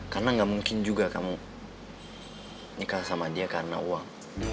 karena gak mungkin juga kamu nikah sama dia karena uang